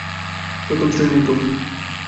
প্রথম শ্রেণীর কফি।